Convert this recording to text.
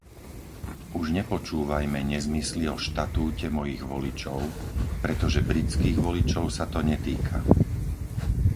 Už nepočúvajme nezmysly o štatúte mojich voličov, pretože britských voličov sa to netýka.